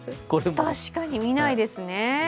確かに、見ないですね。